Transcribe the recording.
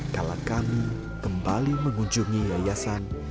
kalau kami kembali mengunjungi yayasan